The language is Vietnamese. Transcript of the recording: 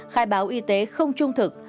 khai báo y tế không trung thực